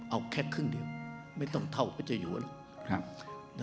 เอาแค่ครึ่งเดียวไม่ต้องเท่าพระเจ้าอยู่